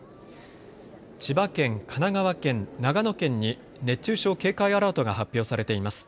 千葉県、神奈川県、長野県に熱中症警戒アラートが発表されています。